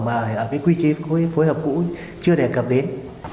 mà ở cái quy chế phối hợp cũ chưa đề cập đến